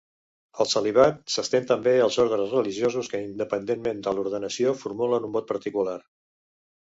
El celibat s'estén també als ordes religiosos que independentment de l'ordenació formulen un vot particular.